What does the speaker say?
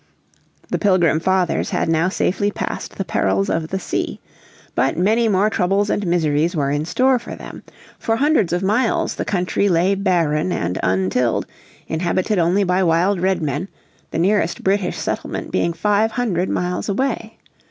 The Pilgrim Fathers had now safely passed the perils of the sea. But many more troubles and miseries were in store for them. For hundreds of miles the country lay barren and untilled, inhabited only by wild Redmen, the nearest British settlement being five hundred miles away.